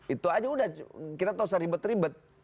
itu aja udah kita gak usah ribet ribet